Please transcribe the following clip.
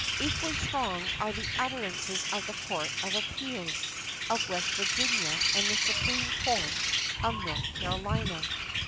Equally strong are the utterances of the Court of Appeals of West Virginia and the Supreme Court of North Carolina .